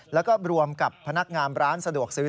แล้วก็รวมกับพนักงานร้านสะดวกซื้อ